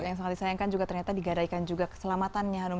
yang sangat disayangkan juga ternyata digadaikan juga keselamatannya hanum